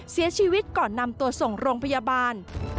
เสียชีวิตก่อนนำตัวส่งโรงพยาบาล